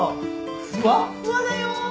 ふわっふわだよ。